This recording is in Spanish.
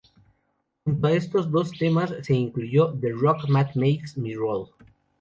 Junto a estos dos temas, se incluyó "The Rock that Makes Me Roll".